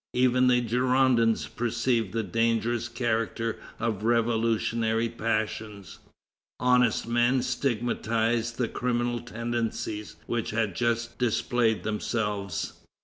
Even the Girondins perceived the dangerous character of revolutionary passions. Honest men stigmatized the criminal tendencies which had just displayed themselves.